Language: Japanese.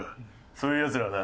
そういうヤツらはな